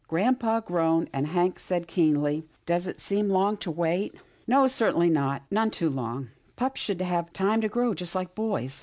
Grampa groaned, and Hank said keenly, " Does it seem long to wait? "" No, certainly not — none too long. Pups should have time to grow, just like boys."